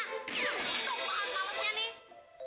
tuh paham malesnya nih